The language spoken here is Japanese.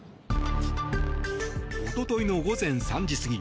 おとといの午前３時過ぎ